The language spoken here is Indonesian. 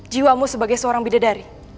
jiwamu sebagai seorang bidadari